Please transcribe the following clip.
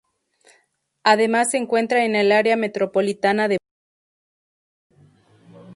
Además se encuentra en el área metropolitana de Burgos.